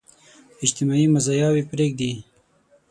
اجتماعي مزاياوې پرېږدي.